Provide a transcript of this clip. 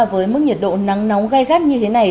với mức nhiệt độ nắng nóng gai gắt như thế này